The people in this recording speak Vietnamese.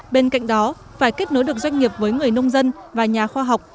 bên cạnh đó phải kết nối được doanh nghiệp với người nông dân và nhà khoa học